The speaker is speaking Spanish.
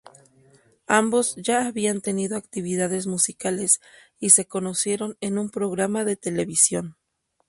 Ambos ya habían tenido actividades musicales, y se conocieron en un programa de televisión.